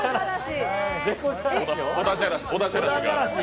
小田じゃらし。